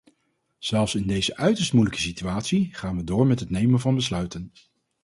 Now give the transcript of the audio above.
Zelfs in deze uiterst moeilijke situatie gaan we door met het nemen van besluiten.